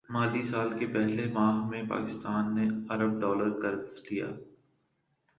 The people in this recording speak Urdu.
مالی سال کے پہلے ماہ میں پاکستان نے ارب ڈالر قرض لیا